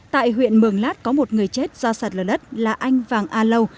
tại huyện mường lát có một người chết do sạt lở đất là anh vàng a lâu